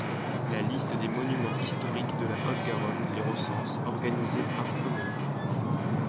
La Liste des monuments historiques de la Haute-Garonne les recense, organisée par commune.